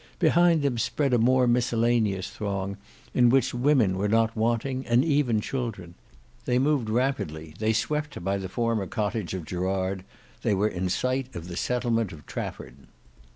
Behind them spread a more miscellaneous throng, in which women were not wanting and even children. They moved rapidly; they swept by the former cottage of Gerard; they were in sight of the settlement of Trafford.